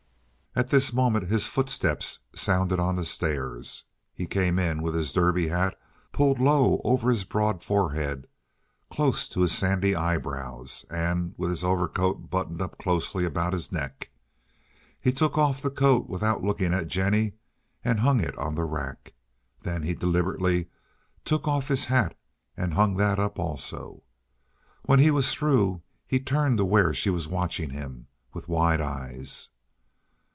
At this moment his footsteps sounded on the stairs. He came in with his derby hat pulled low over his broad forehead, close to his sandy eyebrows, and with his overcoat buttoned up closely about his neck. He took off the coat without looking at Jennie and hung it on the rack. Then he deliberately took off his hat and hung that up also. When he was through he turned to where she was watching him with wide eyes.